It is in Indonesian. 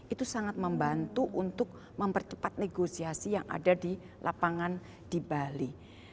itu sangat membantu untuk mempercepat negosiasi yang ada di lapangan di bali